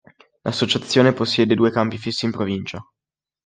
L'associazione possiede due campi fissi in provincia.